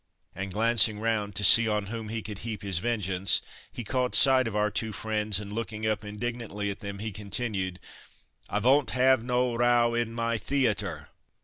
and glancing round to see on whom he could heap his vengeance, he caught sight of our two friends, and looking up indignantly at them, he continued "I von't have no row in my the a ter.